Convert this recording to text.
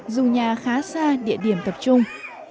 dù nhà khá xa địa điểm tập trung